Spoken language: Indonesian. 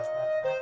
gak ada apa apa